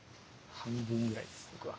半分ぐらいです僕は。